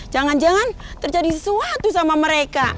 jangan jangan terjadi sesuatu sama mereka